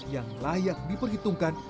yang layak diperhitungkan